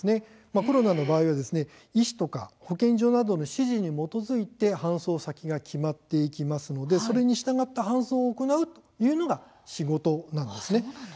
コロナの場合は医師とか保健所などの指示に基づいて搬送先が決まっていきますのでそれに従った搬送を行うというのが仕事になっています。